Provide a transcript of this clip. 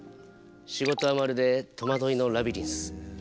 仕事はまるでとまどいのラビリンス。